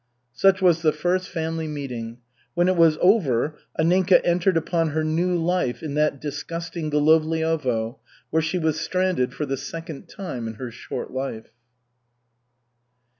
Such was the first family meeting. When it was over, Anninka entered upon her new life in that disgusting Golovliovo, where she was stranded for the second time in her short life.